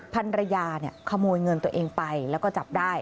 ภรรยาขโมยเงินตัวเองไปแล้วก็จับได้